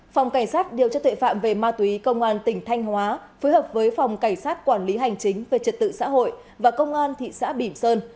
phòng cảnh sát điều tra tuệ phạm về ma túy công an tỉnh thanh hóa phối hợp với phòng cảnh sát quản lý hành chính về trật tự xã hội và công an thị xã bỉm sơn